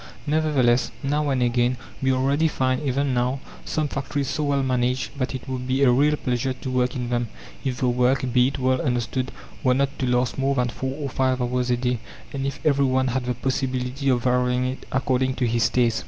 Nevertheless, now and again, we already find, even now, some factories so well managed that it would be a real pleasure to work in them, if the work, be it well understood, were not to last more than four or five hours a day, and if every one had the possibility of varying it according to his tastes.